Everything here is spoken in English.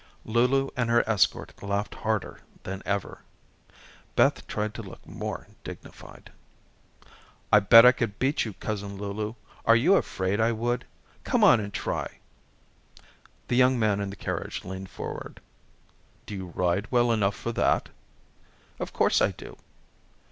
Lulu and her escort laughed harder than ever. Beth tried to look more dignified. "I bet I could beat you, Cousin Lulu. Are you afraid I would? Come on and try." The young man in the carriage leaned forward. "Do you ride well enough for that?" "Of course, I do."